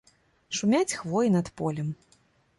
Шумяць хвоі над полем.